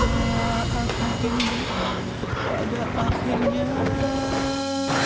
tidak ada apa apa